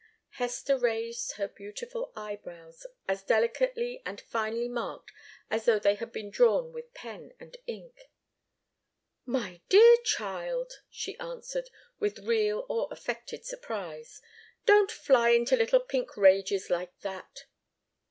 Hester raised her beautiful eyebrows, as delicately and finely marked as though they had been drawn with pen and ink. "My dear child!" she answered, with real or affected surprise. "Don't fly into little pink rages like that."